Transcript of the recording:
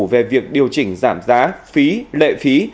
về việc điều chỉnh giảm giá phí lệ phí